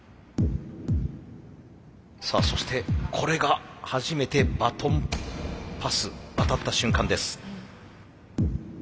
さあそしてこれが初めてバトンパス渡った瞬間です。